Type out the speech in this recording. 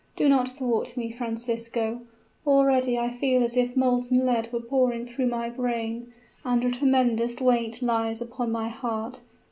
Do not thwart me, Francisco; already I feel as if molten lead were pouring through my brain, and a tremendous weight lies upon my heart!